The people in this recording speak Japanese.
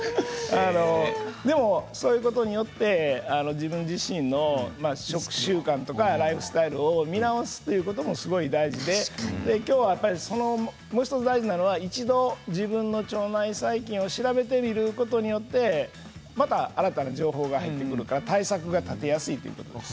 でもそういうことによって自分自身の食習慣とかライフスタイルを見直すっていうこともすごい大事で今日はやっぱりもう一つ大事なのは一度自分の腸内細菌を調べてみることによってまた新たな情報が入ってくるから対策が立てやすいということです。